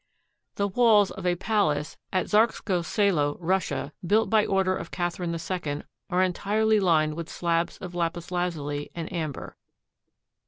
The walls of a palace at Zarskoe Selo, Russia, built by order of Catherine II are entirely lined with slabs of lapis lazuli and amber.